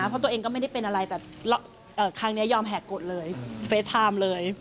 เพราะตัวเองก็ไม่ได้เป็นอะไรแต่ครั้งนี้ยอมแหกกดเลยเฟสไทม์เลย